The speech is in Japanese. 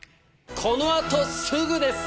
この後すぐです！